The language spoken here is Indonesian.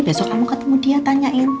besok kamu ketemu dia tanyain